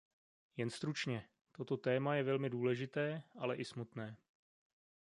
Jen stručně, toto téma je velmi důležité, ale i smutné.